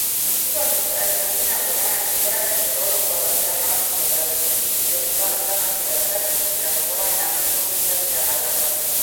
Usaldusväärsema hinnangu majanduse praegusele olukorrale saame aastate pärast, kuid siis on sellest saanud tagantjärele tarkus, millega pole enam suurt midagi peale hakata.